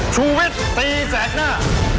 ชูเว็ตตีแสดหน้า